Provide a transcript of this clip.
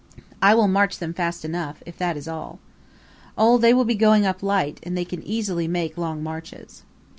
"I will march them fast enough, if that is all." "Oh, they will be going up light, and they can easily make long marches."